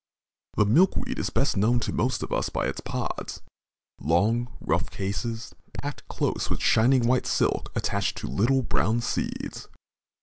The milkweed is best known to most of us by its pods long, rough cases, packed close with shining white silk attached to little brown seeds.